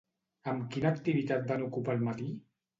Amb quina activitat van ocupar el matí?